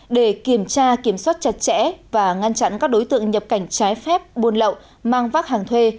để kiểm tra kiểm soát chặt chẽ và ngăn chặn các đối tượng nhập cảnh trái phép buôn lậu mang vác hàng thuê